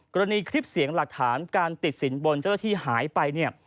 กรณีคลิบเสียงหลักฐานการติดสินวนเจ้าต้นที่หายไป